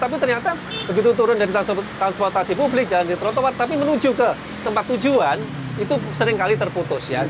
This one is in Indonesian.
tapi ternyata begitu turun dari transportasi publik jalan di trotoar tapi menuju ke tempat tujuan itu sering kali terputus ya